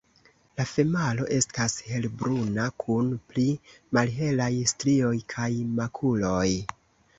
La femalo estas helbruna, kun pli malhelaj strioj kaj makuloj.